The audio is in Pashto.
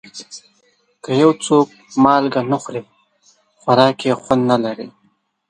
که یو څوک مالګه نه خوري، خوراک یې خوند نه لري.